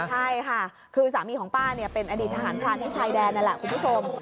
ใช่ค่ะคือสามีของป้าเป็นอดีตทหารพรานในชายแดนนั่นแหละคุณผู้ชม